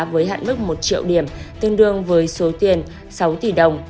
với hạn mức một triệu điểm tương đương với số tiền sáu tỷ đồng